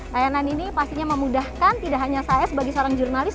layanan ini pastinya memudahkan tidak hanya saya sebagai seorang jurnalis